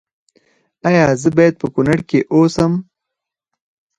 ایا زه باید په کنړ کې اوسم؟